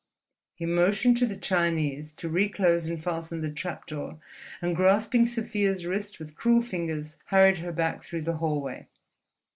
He motioned to the Chinese to reclose and fasten the trap door, and grasping Sofia's wrist with cruel fingers hurried her back through the hallway.